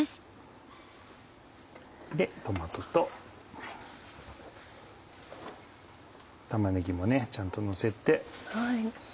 トマトと玉ねぎもちゃんとのせて。